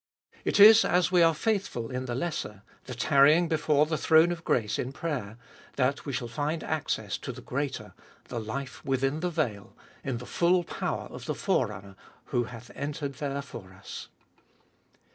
It is as we are faithful in the lesser, the tarrying before the throne of grace in prayer, that we shall find access to the greater — the life within the veil, in the full power of the Forerunner who hath entered there for us.